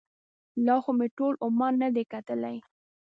لا خو مې ټول عمان نه دی کتلی.